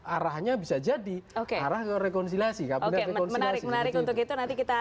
arahnya bisa jadi oke arah ke rekonstruksi kabinet menarik menarik untuk itu nanti kita